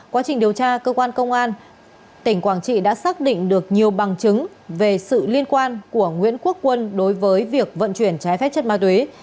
quá trình điều tra cơ quan công an tỉnh quảng trị đã xác định được nhiều bằng chứng về sự liên quan của nguyễn quốc quân đối với việc vận chuyển trái phép chất ma túy